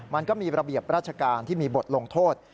มันก็มีระเบียบราชการที่มีบทลงโทษ